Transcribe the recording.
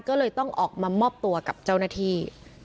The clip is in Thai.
ก็เลยต้องออกมามอบตัวกับเจ้าหน้าที่